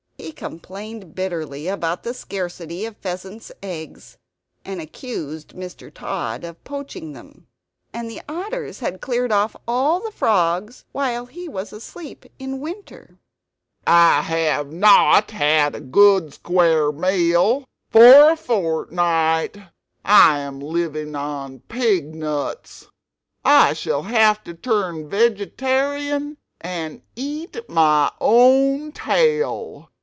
He complained bitterly about the scarcity of pheasants' eggs, and accused Mr. Tod of poaching them. And the otters had cleared off all the frogs while he was asleep in winter "I have not had a good square meal for a fort night, I am living on pig nuts. I shall have to turn vegetarian and eat my own tail!"